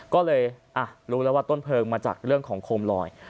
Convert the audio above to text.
ก็เลยรู้แล้วว่าต้นเพลิงมาจากเรื่องของโคมลอย